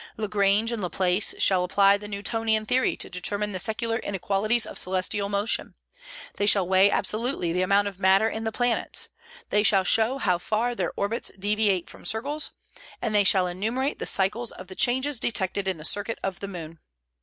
Lagrange and Laplace shall apply the Newtonian theory to determine the secular inequalities of celestial motion; they shall weigh absolutely the amount of matter in the planets; they shall show how far their orbits deviate from circles; and they shall enumerate the cycles of changes detected in the circuit of the moon.